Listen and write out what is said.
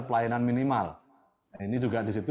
pelayanan minimal ini juga disitu